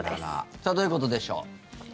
さあどういうことでしょう。